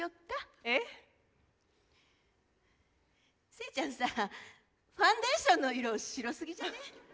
清ちゃんさぁファンデーションの色白すぎじゃね？